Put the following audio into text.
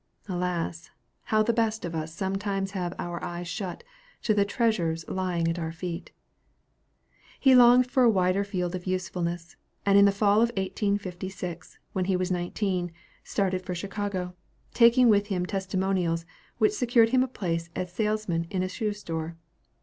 Alas! how the best of us sometimes have our eyes shut to the treasures lying at our feet. He longed for a wider field of usefulness, and in the fall of 1856, when he was nineteen, started for Chicago, taking with him testimonials which secured him a place as salesman in a shoe store.